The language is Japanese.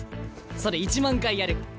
それ１万回やる。